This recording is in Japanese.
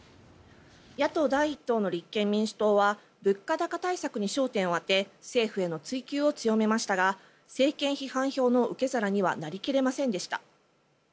野党第１党の立憲民主党は物価高対策に焦点を当て政府への追及を強めましたが政権批判票の受け皿にはなり切れませんでした。